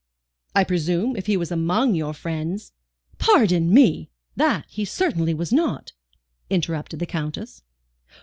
"I presume, if he was among your friends " "Pardon me, that he certainly was not," interrupted the Countess.